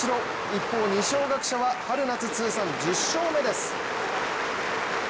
一方、二松学舎は春夏通算１０勝目です。